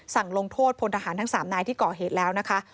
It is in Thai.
ลงโทษพลทหารทั้ง๓นายที่ก่อเหตุแล้วนะคะ